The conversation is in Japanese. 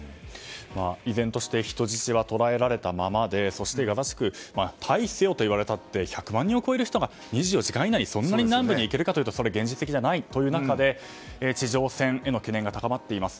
依然として人質は捕らえられたままでそしてガザ地区退避せよって言われたって１００万人を超える人が２４時間以内にそんなに南部に行けるかというと現実的じゃないという中で地上戦への懸念が高まっています。